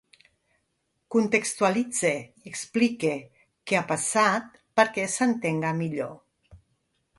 Contextualitze i explique què ha passat perquè s’entenga millor.